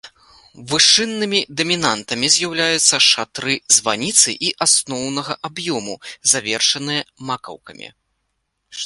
Вышыннымі дамінантамі з'яўляюцца шатры званіцы і асноўнага аб'ёму, завершаныя макаўкамі.